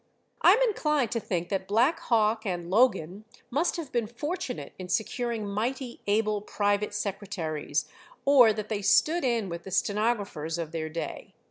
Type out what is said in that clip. I am inclined to think that Black Hawk and Logan must have been fortunate in securing mighty able private secretaries, or that they stood in with the stenographers of their day.